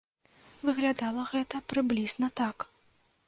Выглядала гэта прыблізна так.